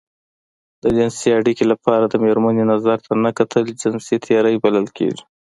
د جنسي اړيکې لپاره د مېرمنې نظر ته نه کتل جنسي تېری بلل کېږي.